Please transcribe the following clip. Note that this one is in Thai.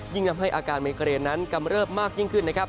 ยิ่งทำให้อาการไมเกรนนั้นกำเริบมากยิ่งขึ้น